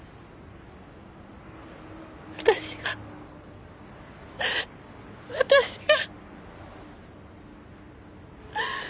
私が私が！